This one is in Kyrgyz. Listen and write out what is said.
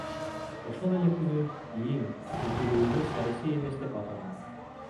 Ошол эле күнү ИИМ өлтүрүүнү саясий эмес деп атаган.